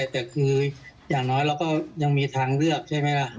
แต่คืออย่างน้อยเราก็ยังมีทางเลือกใช่ไหมล่ะ